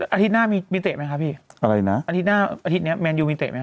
อาทิตย์หน้ามีเตะไหมคะพี่อะไรนะอาทิตย์หน้าอาทิตย์เนี้ยมี